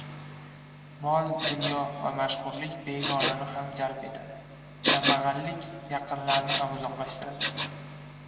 • Mol-dunyo va mashhurlik begonani ham jalb etadi, kambag‘allik yaqinlarni ham uzoqlashtiradi.